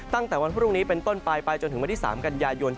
ตั้งแต่วันพรุ่งนี้เป็นต้นไปไปจนถึงวันที่๓กันยายน